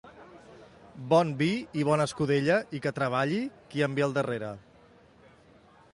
Bon vi i bona escudella i que treballi qui em ve al darrere.